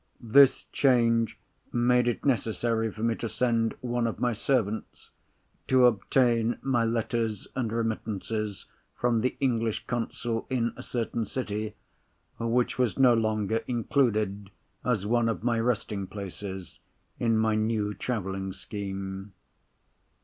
This change made it necessary for me to send one of my servants to obtain my letters and remittances from the English consul in a certain city, which was no longer included as one of my resting places in my new travelling scheme.